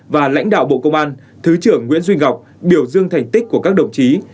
và lãnh đạo bộ công an thứ trưởng nguyễn duy ngọc biểu dương thành tích của các đồng chí